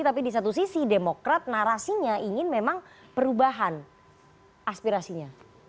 tapi di satu sisi demokrat narasinya ingin memang perubahan aspirasinya